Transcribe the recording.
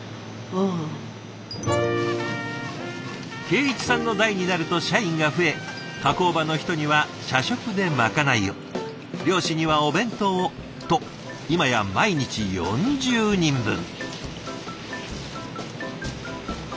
敬一さんの代になると社員が増え加工場の人には社食でまかないを漁師にはお弁当をと今や毎日４０人分。